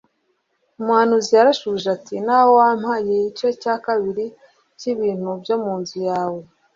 Umuhanuzi yarasubije ati Naho wampa igice cya kabiri cyibintu byo mu nzu yawe